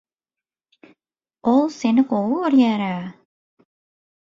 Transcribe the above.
O seni gowy görýär-ä.